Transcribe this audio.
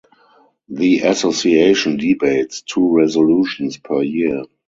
The association debates two resolutions per year.